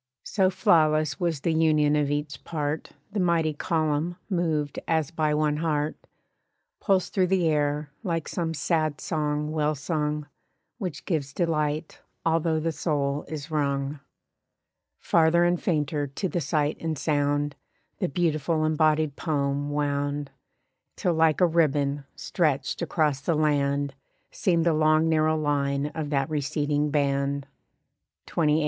So flawless was the union of each part The mighty column (moved as by one heart) Pulsed through the air, like some sad song well sung, Which gives delight, although the soul is wrung. Farther and fainter to the sight and sound The beautiful embodied poem wound; Till like a ribbon, stretched across the land Seemed the long narrow line of that receding band. XXVIII.